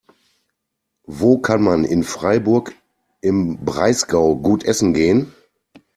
Wo kann man in Freiburg im Breisgau gut essen gehen?